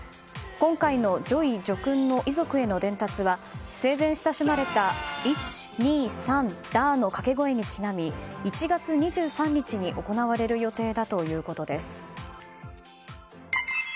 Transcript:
今回の叙位・叙勲の遺族への伝達は生前親しまれた１、２、３、ダー！の掛け声にちなみ１月２３日に行われる予定だ